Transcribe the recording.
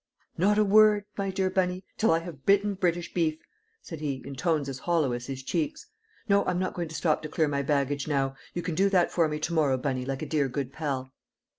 "Not a word, my dear Bunny, till I have bitten British beef!" said he, in tones as hollow as his cheeks. "No, I'm not going to stop to clear my baggage now. You can do that for me to morrow, Bunny, like a dear good pal."